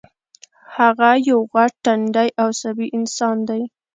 هغه یو غټ ټنډی او عصبي انسان دی